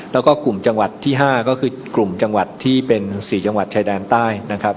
แล้วก็กลุ่มจังหวัดที่๕ก็คือกลุ่มจังหวัดที่เป็น๔จังหวัดชายแดนใต้นะครับ